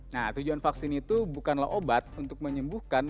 nah tujuan vaksin itu bukanlah obat untuk menyembuhkan